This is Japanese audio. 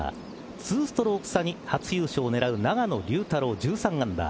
２ストローク差に初優勝を狙う永野竜太郎１３アンダー。